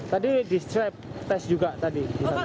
tadi di swab test juga tadi